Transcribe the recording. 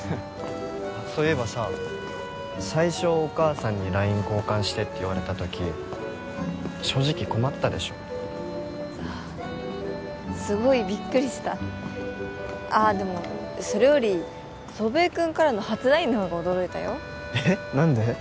そういえばさ最初お母さんにＬＩＮＥ交換してって言われたとき正直困ったでしょすごいびっくりしたああでもそれより祖父江君からの初ＬＩＮＥの方が驚いたよえっ何で？